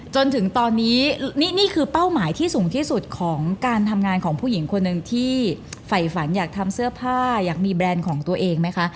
จนถึงตอนนี้นี่คือเป้าหมายที่สูงที่สุดของการทำงานของผู้หญิงคนหนึ่งที่ฝ่ายฝันอยากทำเสื้อผ้าอยากมีแบรนด์ของตัวเองไหมคะ